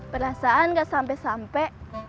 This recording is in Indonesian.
perasaan gak sampe sampe